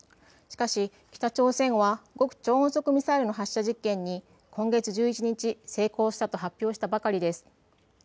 しかし北朝鮮は極超音速ミサイルの発射実験に今月１１日、成功したと発表したばかりです。